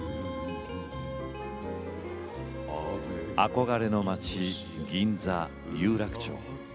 憧れの街銀座・有楽町